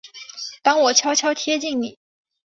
当我悄悄贴近你